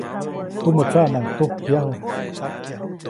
Tumä tsaʼmaʼuŋ tujkyaju.